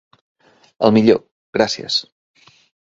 El millor. Gràcies.